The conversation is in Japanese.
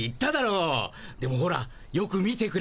でもほらよく見てくれよ。